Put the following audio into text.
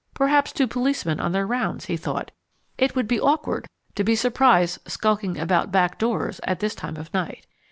Perhaps two policemen on their rounds, he thought: it would be awkward to be surprised skulking about back doors at this time of night.